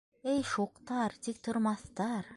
Эй шуҡтар, тиктормаҫтар.